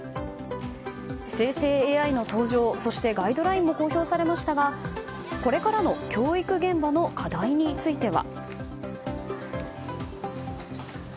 生成ＡＩの登場、そしてガイドラインも公表されましたがこれからの教育現場の課題については。